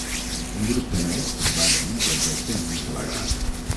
Un grup de nens treballa en un projecte en una sala gran.